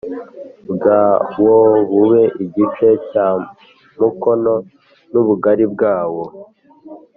Bwawo bube igice cya mukono n ubugari bwawo